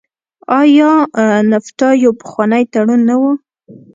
آیا نفټا یو پخوانی تړون نه و؟